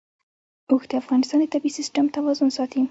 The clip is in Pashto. اوښ د افغانستان د طبعي سیسټم توازن ساتي.